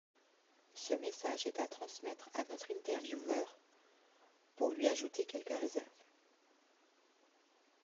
ce message est à transmettre à notre intervieveur pour lui ajouter quelques réserves